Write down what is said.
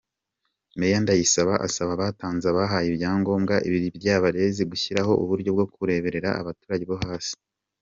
Mayor Ndayisaba asaba abatanze abahaye ibyangombwa “ibiryabarezi” gushyiraho uburyo bwo kureberera abaturage bo hasi.